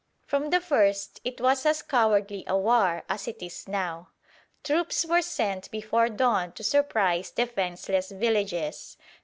From the first it was as cowardly a war as it is now. Troops were sent before dawn to surprise defenceless villages.